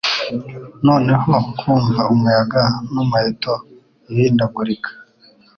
Noneho, kumva umuyaga n'umuheto uhindagurika,